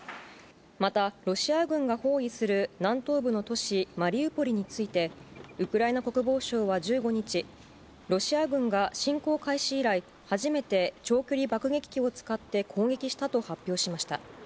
また、ロシア軍が包囲する南東部の都市、マリウポリについて、ウクライナ国防省は１５日、ロシア軍が侵攻開始以来、初めて長距離爆撃機を使って攻撃したと発表しました。